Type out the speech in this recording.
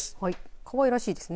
かわいらしいですね。